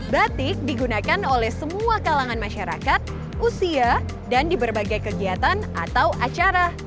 batik digunakan oleh semua kalangan masyarakat usia dan di berbagai kegiatan atau acara